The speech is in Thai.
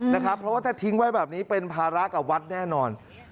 เพราะว่าถ้าทิ้งไว้แบบนี้เป็นภาระกับวัดแน่นอน